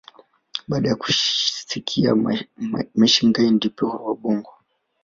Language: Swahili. baada ya kusikia maching guy ndipo wabongo